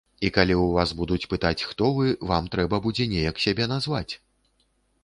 І калі ў вас будуць пытаць, хто вы, вам трэба будзе неяк сябе назваць.